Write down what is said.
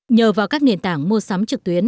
nhờ vào các nền tảng mua sắm trực tuyến